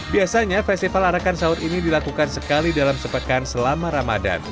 biasanya festival arakan sahur ini dilakukan sekali dalam sepekan selama ramadan